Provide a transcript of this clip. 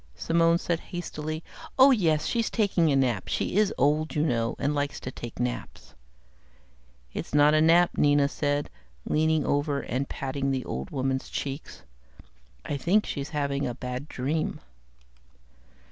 Simone said hastily, "Oh yes, she's taking a nap. She is old, you know, and likes to take naps." "That's not a nap," Nina said, leaning over and patting the old woman's cheek, "I think she's having a bad dream."